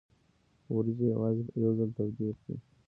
وریجې یوازې یو ځل تودې کړئ.